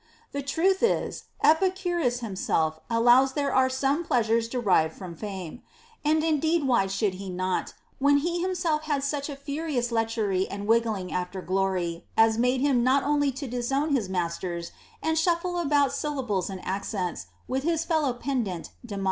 The truth is, Epicurus himself allows there are some pleasures derived from fame. And indeed why should he not, when he him self had such a furious lechery and wriggling after glory as made him not only to disown his masters and scuffle about syllables and accents with his fellow pedant Demo ACCORDING TO EPICURUS.